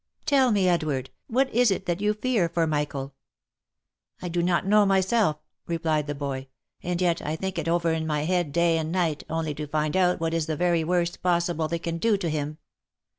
Tell me, Edward, what is it that you fear for Michael !"" I do not know myself," replied the boy. " And yet I think it over in my head day and night only to find out what is the very worst possible they can do to him."